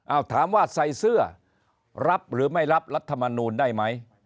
เอาถามว่าใส่เสื้อรับหรือไม่รับรัฐมนูลได้ไหม